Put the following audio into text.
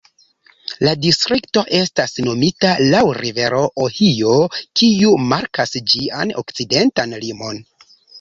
La distrikto estas nomita laŭ rivero Ohio, kiu markas ĝian okcidentan limon.